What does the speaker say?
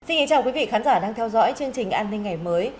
xin kính chào quý vị khán giả đang theo dõi chương trình an ninh ngày mới